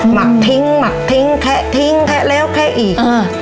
หักทิ้งหมักทิ้งแคะทิ้งแคะแล้วแคะอีก